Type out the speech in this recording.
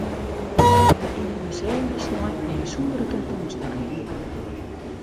Yn it museum is snein in bysûndere tentoanstelling iepene.